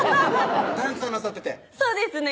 タレントさんなさっててそうですね